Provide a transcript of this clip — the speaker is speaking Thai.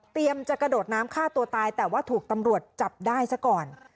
จะกระโดดน้ำฆ่าตัวตายแต่ว่าถูกตำรวจจับได้ซะก่อน